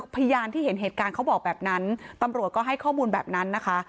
พยานที่เห็นเหตุการณ์เขาบอกแบบนั้นตำรวจก็ให้ข้อมูลแบบนั้นนะคะ